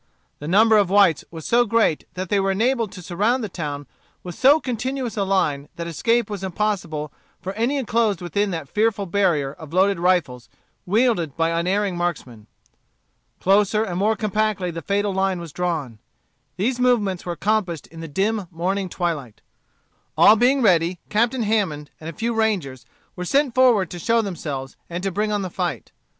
The number of the whites was so great that they were enabled to surround the town with so continuous a line that escape was impossible for any enclosed within that fearful barrier of loaded rifles wielded by unerring marksmen. Closer and more compactly the fatal line was drawn. These movements were accomplished in the dim morning twilight. All being ready, Captain Hammond, and a few rangers, were sent forward to show themselves, and to bring on the fight.